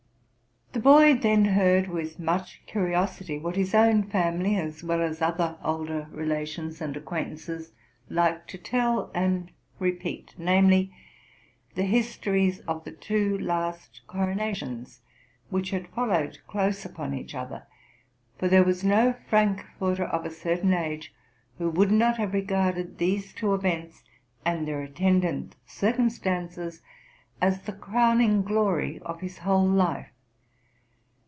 The boy then heard, with much curiosity, what his own family, as well as other older relations and acquaintances, RELATING 'TO MY LIFE. 19 liked to tell and repeat; viz., the histories of the two last coronations, which had followed close upon each other; for there was no Frankforter of a certain age who would not have regarded these two events, and their attendant circum stances, as the crowning glory of his whole life.